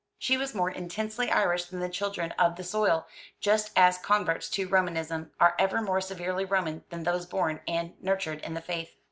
She was more intensely Irish than the children of the soil; just as converts to Romanism are ever more severely Roman than those born and nurtured in the faith.